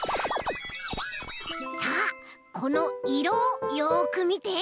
さあこのいろをよくみて。